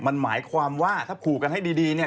มันหมายความว่าถ้าผูกกันให้ดีเนี่ย